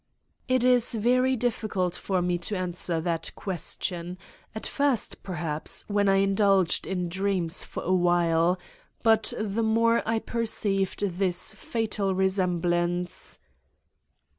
"It is very difficult for me to answer that ques tion. At first, perhaps when I indulged in dreams for a while but the more I perceived this fatal resemblance